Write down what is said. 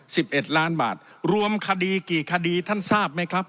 สิบเอ็ดล้านบาทรวมคดีกี่คดีท่านทราบไหมครับ